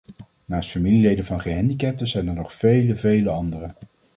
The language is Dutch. Naast familieleden van gehandicapten zijn dat nog vele, vele anderen.